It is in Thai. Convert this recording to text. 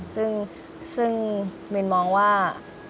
ซึ่งมินมองว่า